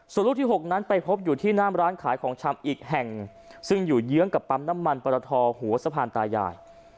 ส่วนลูกที่๖นั้นไปพบอยู่ที่หน้ามร้านขายของชำอีกแห่งซึ่งอยู่เยื้องกับปั๊มน้ำมันปรทอหัวสะพานตายาย